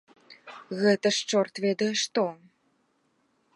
Гэта ж чорт ведае што!